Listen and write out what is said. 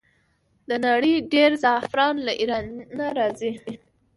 د نړۍ ډیری زعفران له ایران راځي.